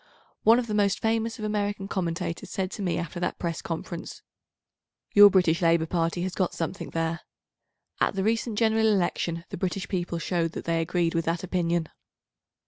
One of the most famous of American commentators said to me after that Press conference, "Your British Labour Party has got something there." At the recent General Election the British people showed that they agreed with that opinion.